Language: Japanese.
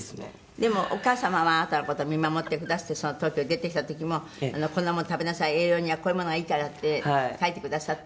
「でもお母様はあなたの事を見守ってくだすって東京に出てきた時も“こんなもの食べなさい”“栄養にはこういうものがいいから”って書いてくださって？」